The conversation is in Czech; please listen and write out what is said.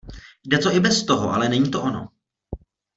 Jde to i bez toho, ale není to ono.